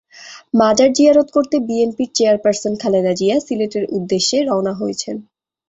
মাজার জিয়ারত করতে বিএনপির চেয়ারপারসন খালেদা জিয়া সিলেটের উদ্দেশে রওনা হয়েছেন।